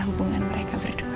hubungan mereka berdua